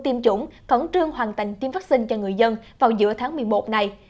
tiêm chủng khẩn trương hoàn thành tiêm vaccine cho người dân vào giữa tháng một mươi một này